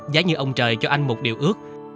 giá như ông trời cho anh một điều ước